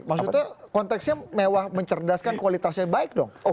maksudnya konteksnya mewah mencerdaskan kualitasnya baik dong